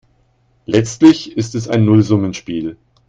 Letztlich ist es ein Nullsummenspiel.